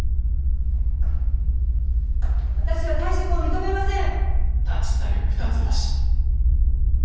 私は退職を認めません。